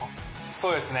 そうですね